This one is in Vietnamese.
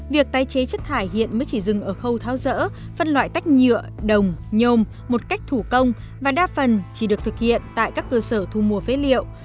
việc tái chế chất thải hiện mới chỉ dừng ở khâu tháo rỡ phân loại tách nhựa đồng nhôm một cách thủ công và đa phần chỉ được thực hiện tại các cơ sở thu mua phế liệu